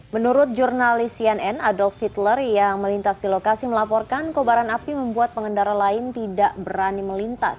menurut jurnalis cnn adol fitler yang melintas di lokasi melaporkan kobaran api membuat pengendara lain tidak berani melintas